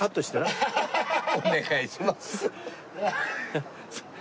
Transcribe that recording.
お願いします。